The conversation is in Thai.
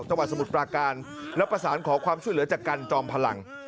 สมุทรปราการแล้วประสานขอความช่วยเหลือจากกันจอมพลัง